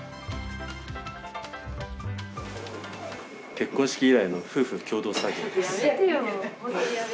結婚式以来の夫婦の共同作業です。